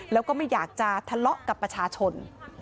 แล้วก็ไม่อยากจะทะเลาะกับประชาชน